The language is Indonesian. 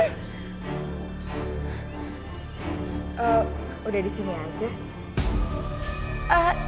eh udah disini aja